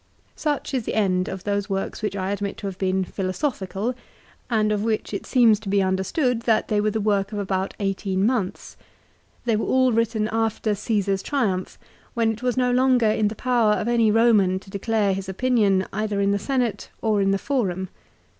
Such is the end of those works which I admit to have been philosophical, and of which it seems he understood that they were the work of about eighteen months. They were all written after Caesar's triumph, when it was no longer in the power of any Roman to declare his opinion either in the Senate or in the Forum.